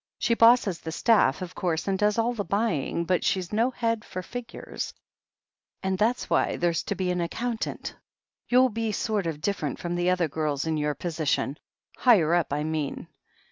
She bosses the staff, of course, and does all the buying, but she's no head for figures, and that's why there's to be an accountant. You'll be sort of different from the other girls, in your position. Higher up, I mean."